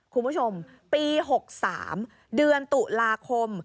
คุณผู้ชมปี๖๓เดือนตุลาคม